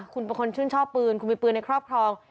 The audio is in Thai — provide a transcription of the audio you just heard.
คุณเป็นคนชื่นชอบปืนคุณมีปืนในครอบครอง